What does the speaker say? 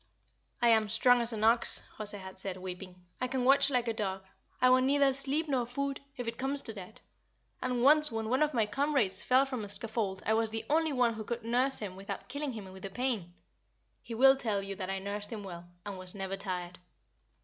"I am strong as an ox," José had said, weeping. "I can watch like a dog. I want neither sleep nor food, if it comes to that; and once when one of my comrades fell from a scaffold I was the only one who could nurse him without killing him with the pain. He will tell you that I nursed him well, and was never tired."